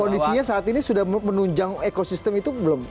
kondisinya saat ini sudah menunjang ekosistem itu belum